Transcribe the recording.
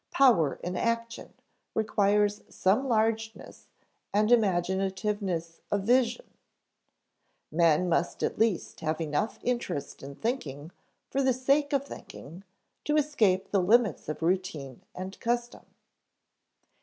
Power in action requires some largeness and imaginativeness of vision. Men must at least have enough interest in thinking for the sake of thinking to escape the limits of routine and custom.